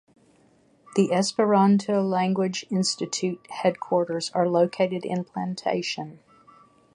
The Esperanto language institute headquarters are located in Plantation.